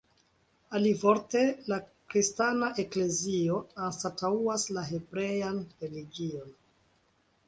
Alivorte, la kristana eklezio anstataŭas la hebrean religion.